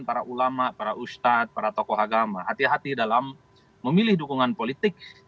para ulama para ustadz para tokoh agama hati hati dalam memilih dukungan politik